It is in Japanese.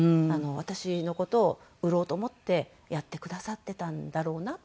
私の事を売ろうと思ってやってくださってたんだろうな。